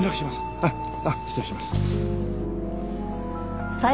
あっ失礼します。